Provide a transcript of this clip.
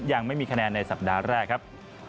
ยังไม่มีคะแนนในสัปดาห์แรกครับ